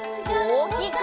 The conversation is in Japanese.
おおきく！